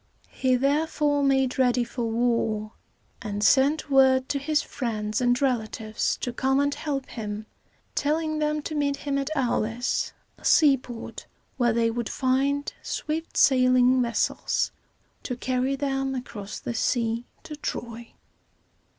He therefore made ready for war, and sent word to his friends and relatives to come and help him, telling them to meet him at Au´lis, a seaport, where they would find swift sailing vessels to carry them across the sea to Troy.